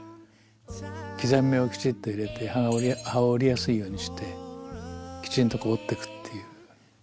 刻み目をきちっと入れて葉を折りやすいようにしてきちんと折っていくっていう。